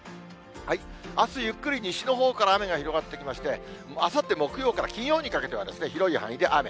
あす、ゆっくり西のほうから雨が広がってきまして、あさって木曜から金曜にかけては広い範囲で雨。